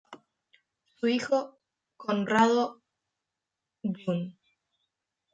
Su hijo Conrado jun.